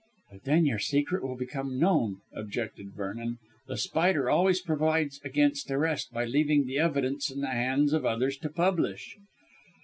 "But then your secret will become known," objected Vernon. "The Spider always provides against arrest by leaving the evidence in the hands of others to publish."